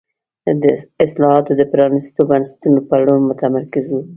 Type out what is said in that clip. اصلاحات د پرانیستو بنسټونو په لور متمرکز وو.